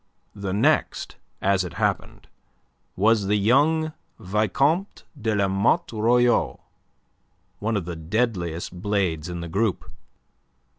The next, as it happened, was the young Vicomte de La Motte Royau, one of the deadliest blades in the group.